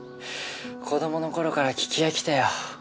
子どもの頃から聞き飽きたよ。